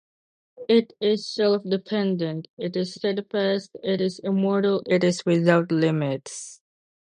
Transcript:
It is self-dependent, it is steadfast, it is immortal, it is without limits.